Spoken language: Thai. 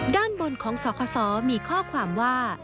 ด้านบนของสคมีข้อความว่า